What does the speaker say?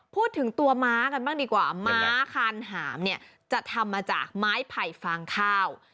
พูดถึงตัวม้ากันบ้างดีกว่าม้าคานหามเนี่ยจะทำมาจากไม้ไผ่ฟางข้าว